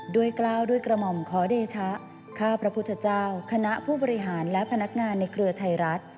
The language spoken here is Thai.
กล้าวด้วยกระหม่อมขอเดชะข้าพระพุทธเจ้าคณะผู้บริหารและพนักงานในเครือไทยรัฐ